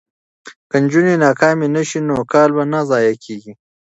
که نجونې ناکامې نه شي نو کال به نه ضایع کیږي.